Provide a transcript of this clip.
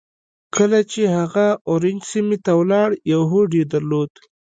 کله چې هغه اورنج سيمې ته ولاړ يو هوډ يې درلود.